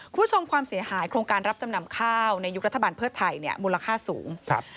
ความเสียหายโครงการรับจำนำข้าวในยุครัฐบาลเพื่อไทยเนี่ยมูลค่าสูงครับ